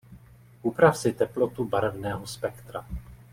Uprav si teplotu barevného spektra.